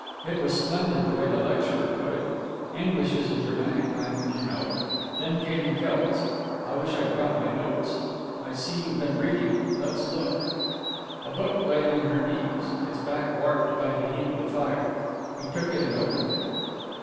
It was splendid, the way the lecturer put it. English is a Germanic language, you know. Then came the Celts. I wish I'd brought my notes. I see you've been reading; let's look " A book lay on her knees, its back warped by the heat of the fire. He took it and opened it.